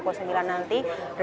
zik sihab akan datang